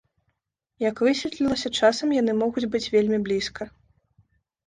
Як высветлілася, часам яны могуць быць вельмі блізка.